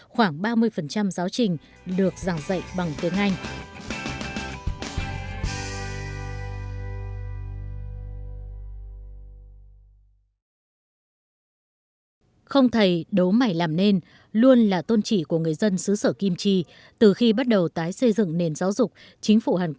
khoảng ba mươi giáo trình được giảng dạy bằng tiếng anh